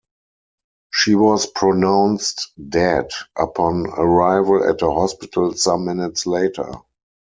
She was pronounced dead upon arrival at a hospital some minutes later.